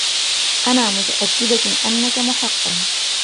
أنا متأكدة أنكَ محق.